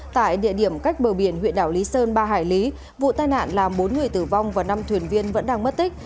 tại địa điểm cách bờ biển huyện đảo lý sơn ba hải lý vụ tai nạn làm bốn người tử vong và năm thuyền viên vẫn đang mất tích